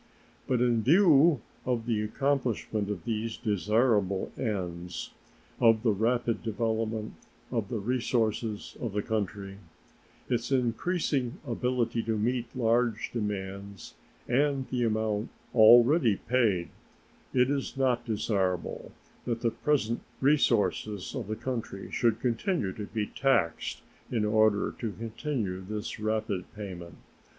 But in view of the accomplishment of these desirable ends: of the rapid development of the resources of the country; its increasing ability to meet large demands, and the amount already paid, it is not desirable that the present resources of the country should continue to be taxed in order to continue this rapid payment.